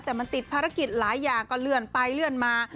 แต่มันติดภารกิจหลายอย่างก็เลื่อนไปเลื่อนมา